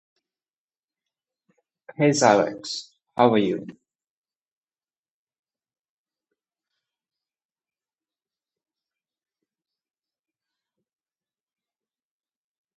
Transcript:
It was manufactured by the Mitsubishi Materials Corporation, a subsidiary of Mitsubishi.